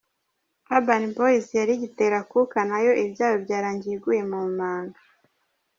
Urban Boyz yari igitera akuka nayo ibyabo byarangiye iguye mu manga.